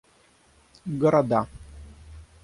города